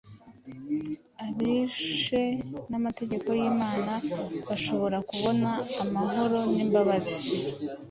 abishe amategeko y’Imana bashobora kubona amahoro n’imbabazi.